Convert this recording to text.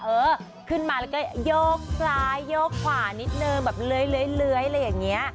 เออขึ้นมาแล้วก็โยกซ้ายโยกขวานิดนึงแบบเลื้อยอะไรอย่างนี้